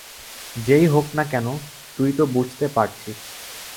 যেই হোক-না কেন, তুই তো বুঝতে পারছিস।